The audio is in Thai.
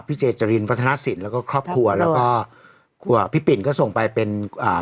พี่เจจรินพัฒนาสินแล้วก็ครอบครัวแล้วก็ครัวพี่ปิ่นก็ส่งไปเป็นอ่า